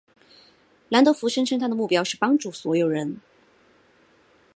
兰德福声称他的目标是帮助所有人。